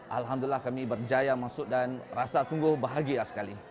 alhamdulillah kami berjaya masuk dan rasa sungguh bahagia sekali